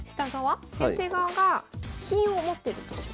先手側が金を持ってるとします。